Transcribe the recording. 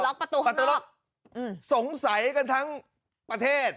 ล็อกประตูข้างนอกสงสัยกันทั้งประเทศ